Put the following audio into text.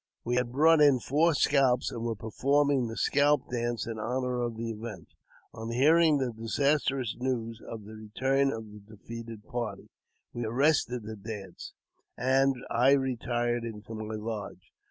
We had brought in four scalps, and were performing the scalp dance in honour of the event. On hearing the disastrous news of the return of the defeated party, we arrested the dance, an^ I retired into my lodge.